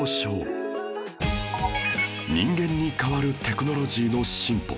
人間に代わるテクノロジーの進歩